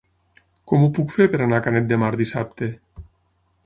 Com ho puc fer per anar a Canet de Mar dissabte?